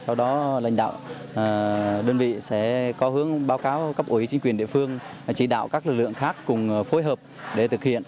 vì vậy đơn vị sẽ có hướng báo cáo cấp ủy chính quyền địa phương chỉ đạo các lực lượng khác cùng phối hợp để thực hiện